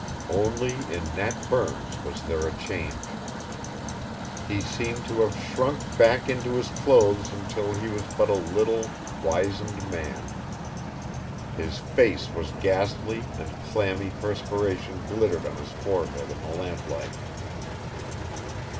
Only in Nat Burns was there a change. He seemed to have shrunk back into his clothes until he was but a little, wizened man. His face was ghastly and clammy perspiration glittered on his forehead in the lamplight.